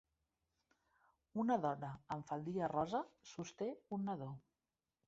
Una dona amb faldilla rosa sosté un nadó.